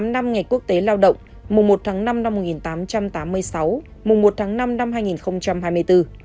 một trăm ba mươi tám năm ngày quốc tế lao động mùng một tháng năm năm một nghìn tám trăm tám mươi sáu mùng một tháng năm năm hai nghìn hai mươi bốn